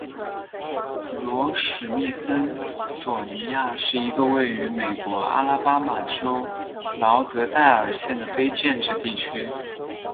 罗史密森索尼亚是一个位于美国阿拉巴马州劳德代尔县的非建制地区。